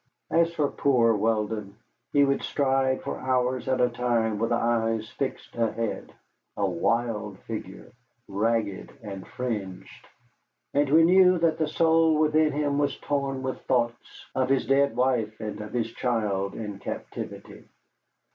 As for poor Weldon, he would stride for hours at a time with eyes fixed ahead, a wild figure, ragged and fringed. And we knew that the soul within him was torn with thoughts of his dead wife and of his child in captivity.